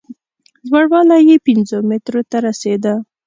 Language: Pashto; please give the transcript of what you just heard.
لوړوالی یې پینځو مترو ته رسېده.